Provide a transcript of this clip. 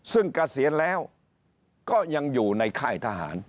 ซึ่งเกษียณแล้วก็ยังอยู่ในค่ายทหาร